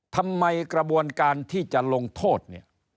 ทำไมกระบวนการที่จะลงโทษเนี่ย